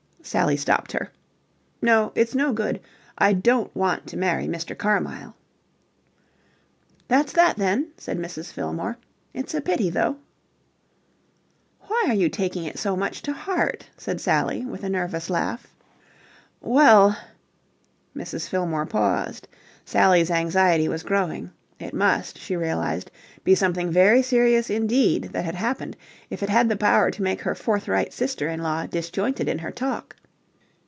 Sally stopped her. "No, it's no good. I don't want to marry Mr. Carmyle." "That's that, then," said Mrs. Fillmore. "It's a pity, though." "Why are you taking it so much to heart?" said Sally with a nervous laugh. "Well..." Mrs. Fillmore paused. Sally's anxiety was growing. It must, she realized, be something very serious indeed that had happened if it had the power to make her forthright sister in law disjointed in her talk.